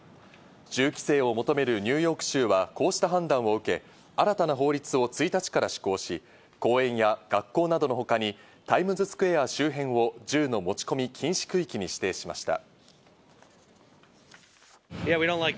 銃規制を求めるニューヨーク州はこうした判断を受け、新たな法律を１日から施行し、公園や学校などのほかにタイムズスクエア周辺を銃の持ち込み禁止区域に指定しました。